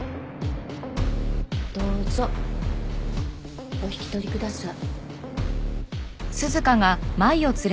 どうぞお引き取りください。